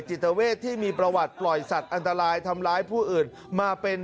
จิตเวทที่มีประวัติปล่อยสัตว์อันตรายทำร้ายผู้อื่นมาเป็น